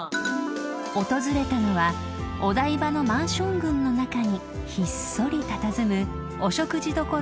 ［訪れたのはお台場のマンション群の中にひっそりたたずむ］